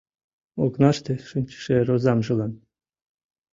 Окнаште шинчыше розамжылан